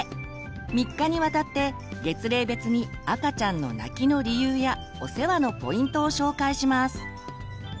３日にわたって月齢別に赤ちゃんの泣きの理由やお世話のポイントを紹介します。